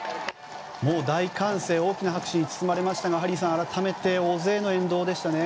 大歓声大きな拍手に包まれましたがハリーさん、改めて大勢の沿道でしたね。